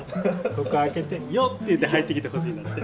ここ開けて「よっ！」って言って入ってきてほしいんだって。